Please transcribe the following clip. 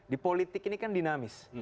di politik ini kan dinamis